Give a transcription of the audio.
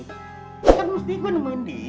kan mesti gue nemuin dia